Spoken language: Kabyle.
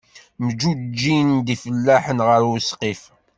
Mǧuǧǧin-d ifellaḥen ɣer usqif.